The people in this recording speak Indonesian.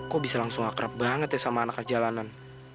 kok bisa langsung akrab banget ya sama anak anak jalanan